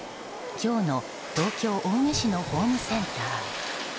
今日の東京・青梅市のホームセンター。